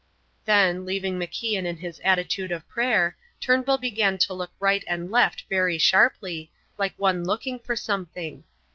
Then, leaving MacIan in his attitude of prayer, Turnbull began to look right and left very sharply, like one looking for something.